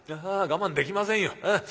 あ我慢できませんよ。